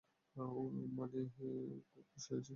মানে আমরা খুবই খুশি হয়েছি।